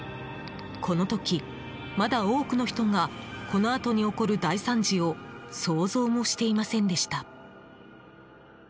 この時、まだ多くの人がこのあとに起こる大惨事を想像もしていませんでした。